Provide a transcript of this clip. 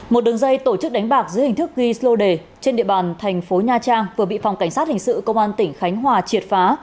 một đường dây tổ chức đánh bạc dưới hình thức ghi số đề trên địa bàn thành phố nha trang vừa bị phòng cảnh sát hình sự công an tỉnh khánh hòa triệt phá